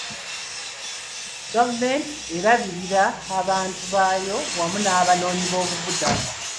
Gavumenti erabirira abantu baayo wamu n'abanoonyiboobudamu.